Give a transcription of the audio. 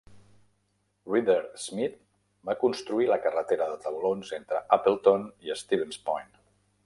Reeder Smith va construir la carretera de taulons entre Appleton i Stevens Point.